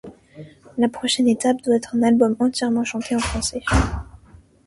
La prochaine étape doit être un album entièrement chanté en français.